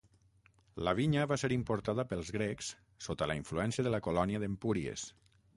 La vinya va ser importada pels grecs, sota la influència de la colònia d'Empúries.